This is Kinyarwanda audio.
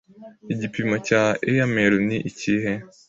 Igipimo cya airmail ni ikihe?